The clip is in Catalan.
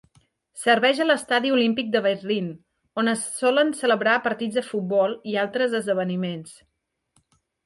Serveix a l"Estadi Olímpic de Berlin, on es solen celebrar partits de futbol i altres esdeveniments.